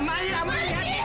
tos laki laki kau jadi dia